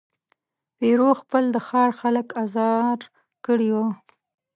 پیرو خپل د ښار خلک آزار کړي وه.